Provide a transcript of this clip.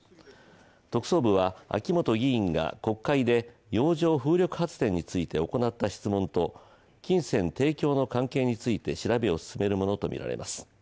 特捜部は秋本議員が国会で洋上風力発電について行った質問と金銭提供の関係について調べを進めるものとみられます。